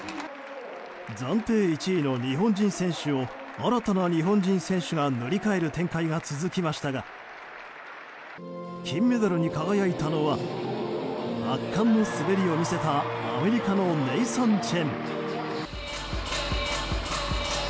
暫定１位の日本人選手を新たな日本人選手が塗り替える展開が続きましたが金メダルに輝いたのは圧巻の滑りを見せたアメリカのネイサン・チェン。